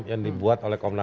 yang dibuat oleh komite jokowi